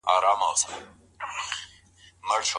د خوشحالولو اسباب بايد څنګه بيان سي؟